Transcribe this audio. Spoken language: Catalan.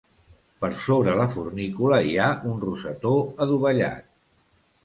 Per sobre la fornícula hi ha un rosetó adovellat.